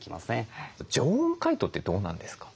常温解凍ってどうなんですか？